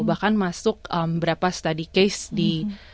bahkan masuk berapa study case di